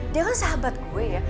dia kan sahabat gue ya